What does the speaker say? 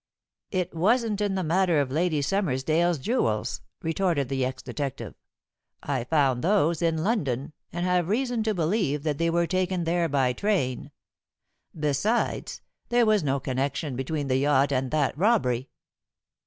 "It wasn't in the matter of Lady Summersdale's jewels," retorted the ex detective. "I found those in London, and have reason to believe that they were taken there by train. Besides, there was no connection between the yacht and that robbery."